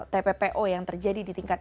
tppo yang terjadi di tingkat